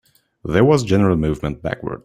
There was a general movement backwards.